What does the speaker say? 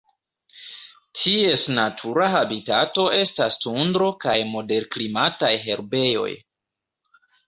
Ties natura habitato estas tundro kaj moderklimataj herbejoj.